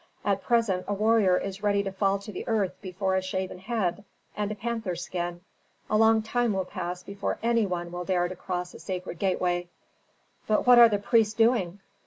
At present a warrior is ready to fall to the earth before a shaven head and a panther skin; a long time will pass before any one will dare to cross a sacred gateway." "But what are the priests doing?"